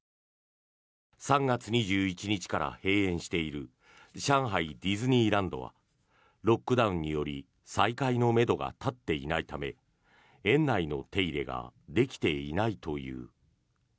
３月２１日から閉園している上海ディズニーランドはロックダウンにより再開のめどが立っていないため園内の手入れができていないという。